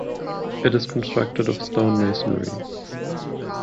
It is constructed of stone masonry.